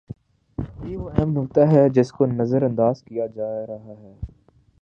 یہی وہ اہم نکتہ ہے جس کو نظر انداز کیا جا رہا ہے۔